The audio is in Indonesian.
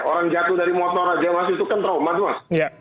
orang jatuh dari motor aja mas itu kan trauma